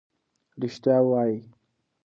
ریښتیا ووایئ.